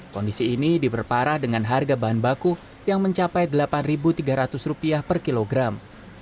kondisi ini diperparah dengan harga bahan baku yang mencapai rp delapan tiga ratus per kilogram